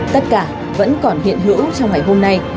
tất cả vẫn còn hiện hữu trong ngày hôm nay